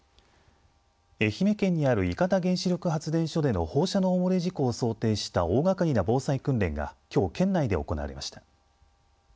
愛媛県にある伊方原子力発電所での放射能漏れ事故を想定した大がかりな防災訓練がきょう県内で行われました。